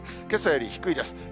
けさより低いです。